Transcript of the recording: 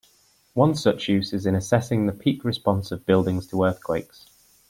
One such use is in assessing the peak response of buildings to earthquakes.